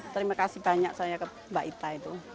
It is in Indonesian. terima kasih banyak saya ke mbak ita itu